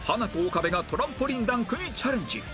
岡部がトランポリンダンクにチャレンジ